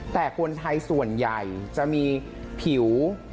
แต่คนไทยส่วนใหญ่จะมีผิว